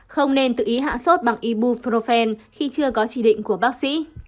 không nên tự ý hạ sốt bằng ibuforn khi chưa có chỉ định của bác sĩ